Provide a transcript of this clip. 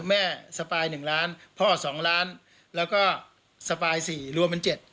แม่สปาย๑ล้านพ่อ๒ล้านแล้วก็สปาย๔รวมเป็น๗